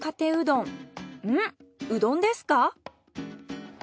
んっうどんですか？